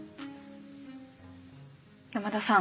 山田さん。